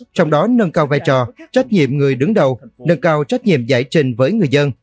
trong đó nâng cao vai trò trách nhiệm người đứng đầu nâng cao trách nhiệm giải trình với người dân